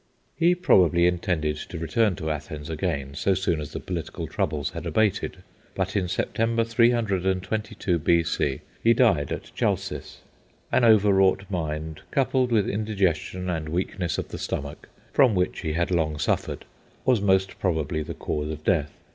He probably intended to return to Athens again so soon as the political troubles had abated, but in September, 322 B.C., he died at Chalcis. An overwrought mind, coupled with indigestion and weakness of the stomach, from which he had long suffered, was most probably the cause of death.